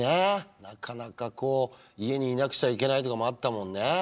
なかなかこう家にいなくちゃいけないとかもあったもんね。